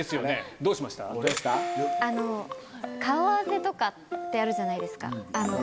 どうしました？とかってあるじゃないですか。